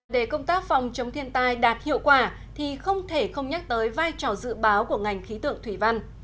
để công tác phòng chống thiên tai đạt hiệu quả thì không thể không nhắc tới vai trò dự báo của ngành khí tượng thủy văn